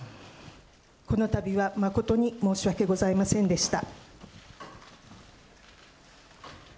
このたびは誠に申し訳ございませんでした。